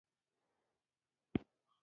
بېنډۍ د تودو کلیوالو خوړو برخه ده